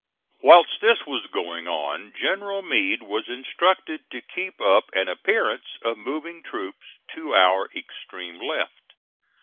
Whilst this was going on General Meade was instructed to keep up an appearance of moving troops to our extreme left.